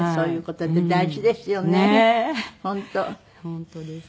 本当ですね。